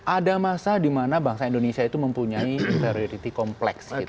ada masa di mana bangsa indonesia itu mempunyai priority kompleks